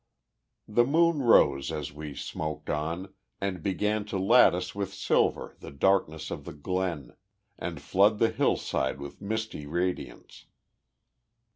The moon rose as we smoked on, and began to lattice with silver the darkness of the glen, and flood the hillside with misty radiance.